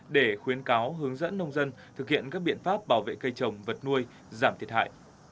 để khuyến cáo hướng dẫn nông dân thực hiện các biện pháp bảo vệ cây trồng vật nuôi giảm thiệt hại